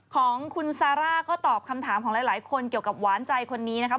ของคุณซาร่าก็ตอบคำถามของหลายคนเกี่ยวกับหวานใจคนนี้นะครับ